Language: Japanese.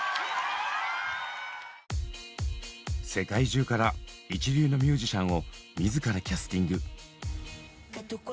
世界中から一流のミュージシャンを自らキャスティング。